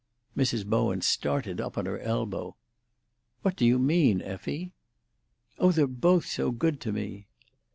Mrs. Bowen started up on her elbow. "What do you mean, Effie?" "Oh, they're both so good to me."